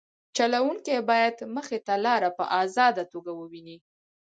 چلوونکی باید مخې ته لاره په ازاده توګه وویني